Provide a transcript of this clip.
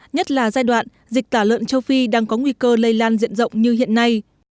nhất là giai đoạn dịch tả lợn châu phi đang có nguy cơ lây lan diện rộng như hiện nay